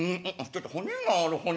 骨がある骨。